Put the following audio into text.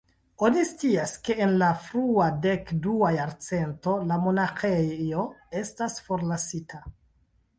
Oni scias ke en la frua dek-dua jarcento la monaĥejo estas forlasita.